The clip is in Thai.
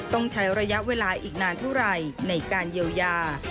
ต้องใช้ระยะเวลาอีกนานเท่าไหร่ในการเยียวยา